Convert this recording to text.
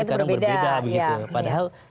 kadang berbeda padahal